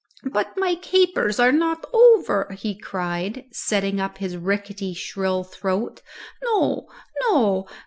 "But my capers are not over!" he cried, setting up his rickety shrill throat; "no, no!